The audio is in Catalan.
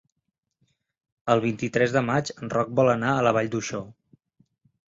El vint-i-tres de maig en Roc vol anar a la Vall d'Uixó.